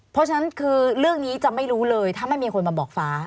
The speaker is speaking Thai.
เพราะฉะนั้นคือเรื่องนี้จะไม่รู้เลยถ้าไม่มีคนมาบอกฟ้า